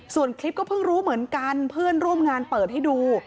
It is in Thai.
ส่วนคลิปก็เพิ่งรู้เหมือนกันเพื่อนร่วมงานเปิดให้ดู